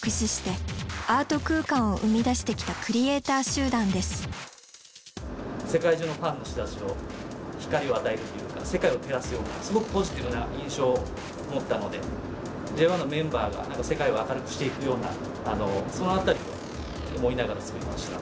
協力したのは世界中のファンの人たちを光を与えるっていうか世界を照らすようなすごくポジティブな印象を持ったのでＪＯ１のメンバーが世界を明るくしていくようなその辺りを思いながら作りました。